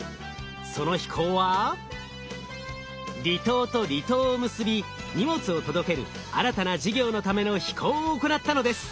その飛行は離島と離島を結び荷物を届ける新たな事業のための飛行を行ったのです。